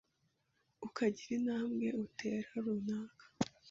ukagira intambwe utera runaka,